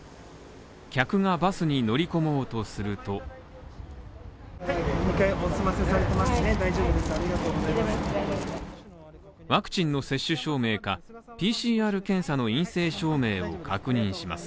客がバスに乗り込もうとするとワクチンの接種証明かＰＣＲ検査の陰性証明を確認します。